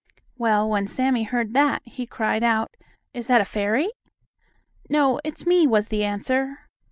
Well, when Sammie heard that he cried out: "Is that a fairy?" "No, it's me," was the answer.